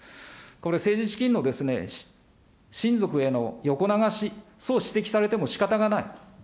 これ政治資金の親族への横流し、そう指摘されてもしかたがない。